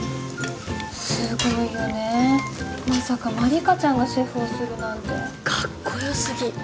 すごいよねまさか万理華ちゃんがシェフをするなんてかっこよすぎ